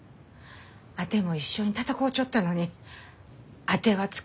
あても一緒に闘うちょったのにあては捕まらん。